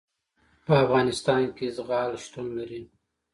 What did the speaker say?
په افغانستان کې زغال شتون لري.